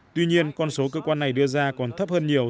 tuy nhiên con số cơ quan này đưa ra còn thấp hơn nhiều